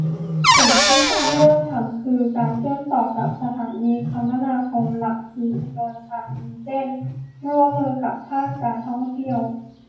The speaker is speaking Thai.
สิ่งที่ต้องเริ่งทำคือ การเชื่อมต่อกับสถานีคมนาคมหลักคือ อุดรธานี เช่น ร่วมมือกับภาคการท่องเที่ยว